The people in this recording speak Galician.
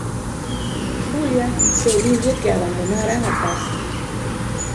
Julia pediulle que abandonaran a casa.